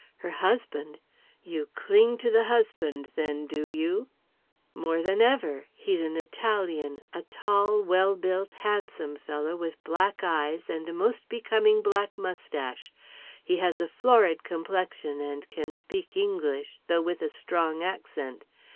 "Her husband! You cling to the husband then, do you?" "More than ever. He's an Italian a tall, well built, handsome fellow, with black eyes and a most becoming black moustache. He has a florid complexion and can speak English, though with a strong accent.